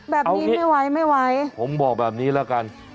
แบบนี้ไม่ไหวไม่ไหวเอาอย่างนี้ผมบอกแบบนี้แล้วกัน